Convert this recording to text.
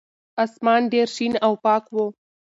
اسمان ډېر شین او پاک و.